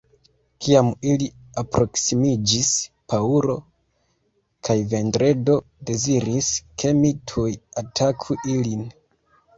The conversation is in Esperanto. Kiam ili aproksimiĝis, Paŭlo kaj Vendredo deziris ke mi tuj ataku ilin.